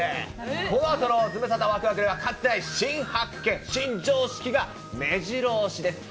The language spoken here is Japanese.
このあとのズムサタわくわくは、かつて、新発見、新常識がめじろ押しです。